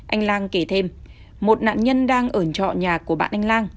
anh lan kể thêm một nạn nhân đang ở trọ nhà của bạn anh lan